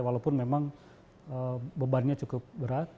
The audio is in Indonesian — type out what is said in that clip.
walaupun memang bebannya cukup berat